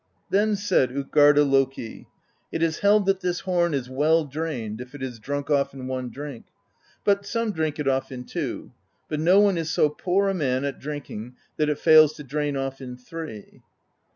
Then said tJtgarda Loki :' It is held that this horn is well drained if it is drunk off in one drink, but some drink it off in two; but no one is so poor a man at drinking that it fails to drain off in three.'